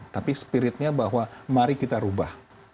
tapi spiritnya bahwa mari kita rubah